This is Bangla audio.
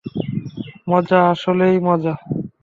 মজা আসলেই মজা।